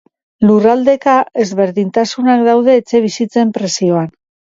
Lurraldeka, ezberdintasunak daude etxebizitzen prezioan.